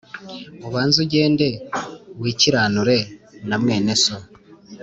ubanze ugende wikiranure na mwene so